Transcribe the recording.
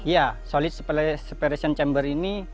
ya solid separation chamber ini